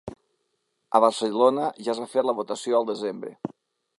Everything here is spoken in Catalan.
A Barcelona ja es va fer la votació al desembre.